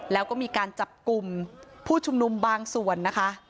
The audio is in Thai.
แล้วก็มีการจับกลุ่มผู้ชุมนุมบางส่วนนะคะ